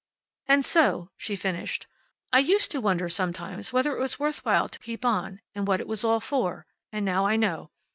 "And so," she finished, "I used to wonder, sometimes, whether it was worth while to keep on, and what it was all for. And now I know.